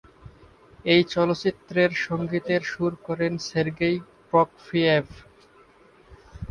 এই চলচ্চিত্রের সঙ্গীতের সুর করেন সের্গেই প্রকফিয়েভ।